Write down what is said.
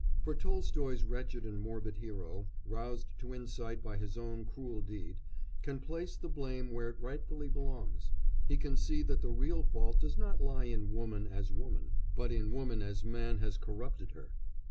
For Tolstoy's wretched and morbid hero, roused to insight by his own cruel deed, can place the blame where it rightfully belongs; he can see that the real fault does not lie in woman as woman, but in woman as man has corrupted her.